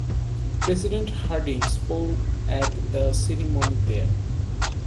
President Harding spoke at the ceremony there.